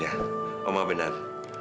iya oma benar